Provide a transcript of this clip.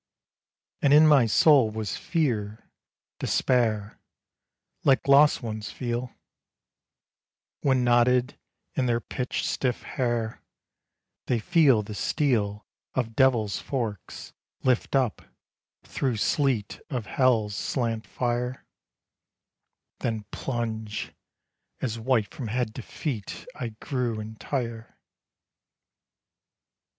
And in my Soul was fear, despair, Like lost ones feel, When knotted in their pitch stiff hair, They feel the steel Of devils' forks lift up, through sleet Of hell's slant fire, Then plunge, as white from head to feet I grew entire.